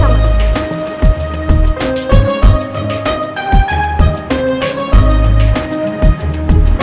ya bisa pelajariv wyn